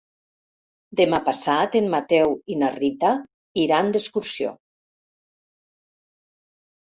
Demà passat en Mateu i na Rita iran d'excursió.